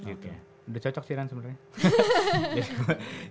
udah cocok ciran sebenarnya